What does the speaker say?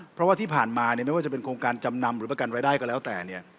เพราะว่าที่ผ่านมาเนี่ยไม่ว่าจะเป็นโครงการจำนำหรือประกันรายได้ก็แล้วแต่เนี่ย